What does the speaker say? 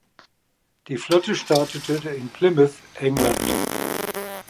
Die Flotte startete in Plymouth, England.